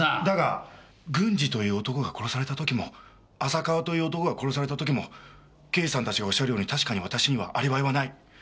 だが軍司という男が殺された時も浅川という男が殺された時も刑事さんたちがおっしゃるように確かに私にはアリバイはない。